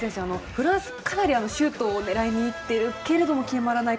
フランスがかなりシュートを狙いにいっているけれども決まらない。